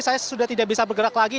saya sudah tidak bisa bergerak lagi